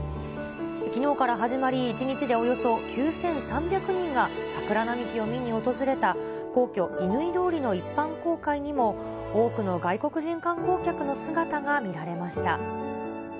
きのうから始まり１日でおよそ９３００人が桜並木を見に訪れた、皇居・乾通りの一般公開にも、多くの外国人観光客の姿が見られました。